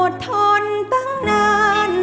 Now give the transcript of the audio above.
ทนตั้งนาน